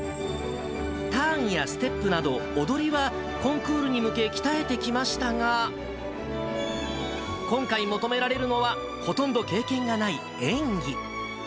ターンやステップなど踊りはコンクールに向け鍛えてきましたが、今回、求められるのはほとんど経験がない演技。